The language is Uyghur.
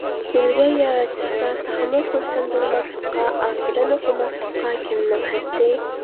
ئۈلگە يارىتىشسا تېخىمۇ خۇرسەن بولماسلىققا، ئاپىرىن ئوقۇماسلىققا كىمنىڭ ھەددى!؟